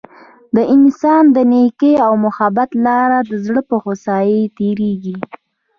د انسان د نیکۍ او محبت لار د زړه په هوسايۍ تیریږي.